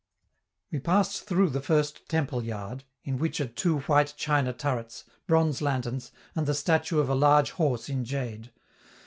We passed through the first temple yard, in which are two white china turrets, bronze lanterns, and the statue of a large horse in jade.